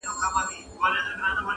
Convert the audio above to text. دردونه ژبه نه لري چي خلک وژړوم!.